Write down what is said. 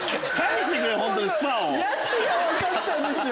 「やし」が分かったんですよ。